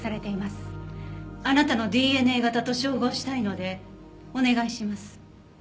あなたのＤＮＡ型と照合したいのでお願いします。